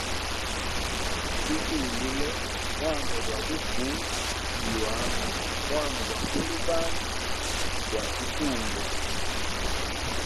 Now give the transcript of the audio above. Tuvuyilile mwanda gwa lufu lwa mwana gwa mwine bandu gwa itungwa.